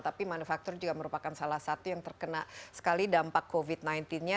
tapi manufaktur juga merupakan salah satu yang terkena sekali dampak covid sembilan belas nya